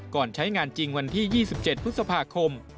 ใช้งานจริงวันที่๒๗พฤษภาคม